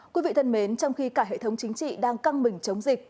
quý vị thân mến trong khi cả hệ thống chính trị đang căng mình chống dịch